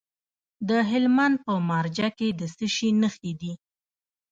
د هلمند په مارجه کې د څه شي نښې دي؟